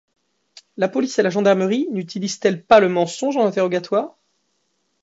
La police et la gendarmerie n'utilisent-elles pas le mensonge en interrogatoire ?